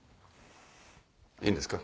いいんですか？